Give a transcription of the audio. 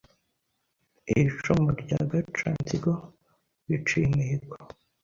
Iri cumu rya Gacanzigo riciye imihigo